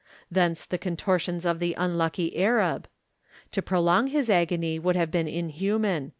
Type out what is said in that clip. Thence this contortions of the unlucky Arab. To prolong his agony would have been inhuman.